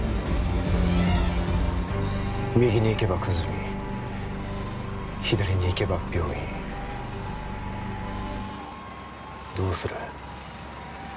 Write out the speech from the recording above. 右に行けば久住左に行けば病院どうする？